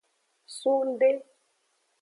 Sungde.